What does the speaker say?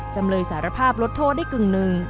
จำเลยสารภาพลดโทษได้กึ่งหนึ่ง